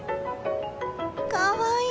かわいい！